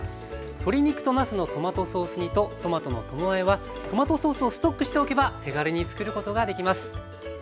鶏肉となすのトマトソース煮とトマトのともあえはトマトソースをストックしておけば手軽につくることができます。